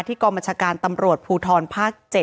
ที่กรมจาการตำรวจภูทรภาค๗